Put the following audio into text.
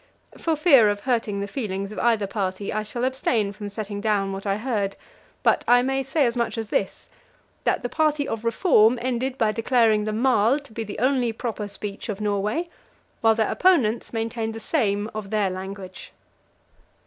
For fear of hurting the feelings of either party, I shall abstain from setting down what I heard: but I may say as much as this that the party of reform ended by declaring the maal to be the only proper speech of Norway, while their opponents maintained the same of their language.